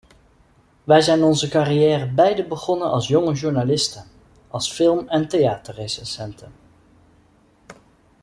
Wij zijn onze carrière beiden begonnen als jonge journalisten, als film- en theaterrecensenten.